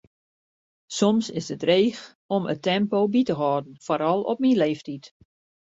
Soms is it dreech om it tempo by te hâlden, foaral op myn leeftiid.